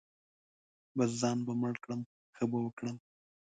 بـس ځان به مړ کړم ښه به وکړم.